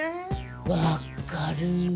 ・わっかる。